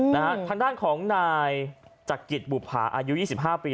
ทางด้านของนายจักริตบุภาอายุ๒๕ปี